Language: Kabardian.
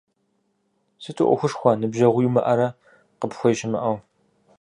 Сыту ӏуэхушхуэ, ныбжьэгъуи уимыӀэрэ къыпхуеи щымыӀэу?